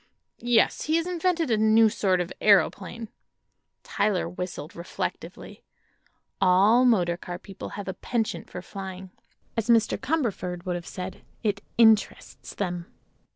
"Yes; he has invented a new sort of aëroplane." Tyler whistled, reflectively. All motor car people have a penchant for flying. As Mr. Cumberford would have said: it "interests them."